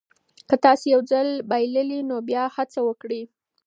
که تاسي یو ځل بایللي نو بیا هڅه وکړئ.